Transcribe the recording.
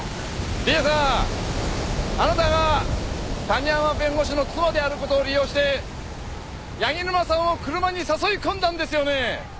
梨絵さんあなたが谷浜弁護士の妻である事を利用して柳沼さんを車に誘い込んだんですよね？